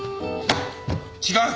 違う！